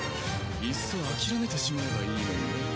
いっそ諦めてしまえばいいのにね。